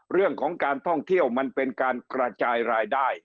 เรื่องของการท่องเที่ยวมันเป็นการกระจายรายได้